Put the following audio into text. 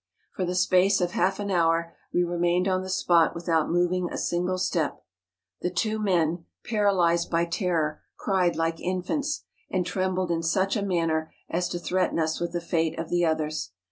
For the space of half an hour we remained on the spot without moving a single step. The two men, paralysed by terror, cried like infants, and trembled in such a manner as to threaten us with the fate of the others.